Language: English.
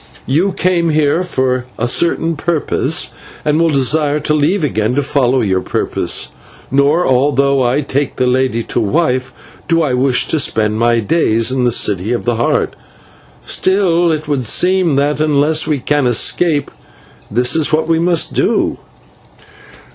You came here from a certain purpose and will desire to leave again to follow your purpose; nor, although I take this lady to wife, do I wish to spend my days in the City of the Heart. And yet it would seem that, unless we can escape, this is what we must do."